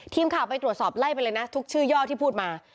ทีมข่าวไปตรวจสอบไล่ไปเลยนะทุกชื่อย่อที่พูดมา